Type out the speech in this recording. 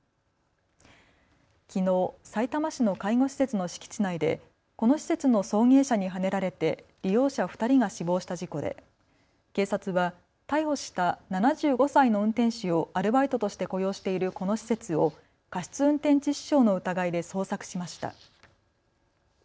きのう、さいたま市の介護施設の敷地内でこの施設の送迎車にはねられて利用者２人が死亡した事故で警察は逮捕した７５歳の運転手をアルバイトとして雇用しているこの施設を過失運転致死傷の疑いで捜索しました。